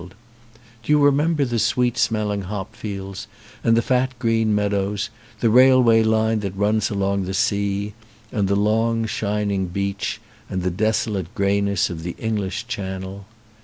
Do you remember the sweet smelling hop fields and the fat green meadows, the railway line that runs along the sea and the long shining beach and the desolate greyness of the English Channel?